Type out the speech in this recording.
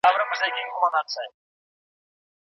هغه د بريا پر مهال غرور نه کاوه.